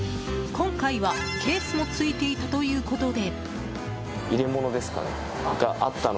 今回は、ケースもついていたということで。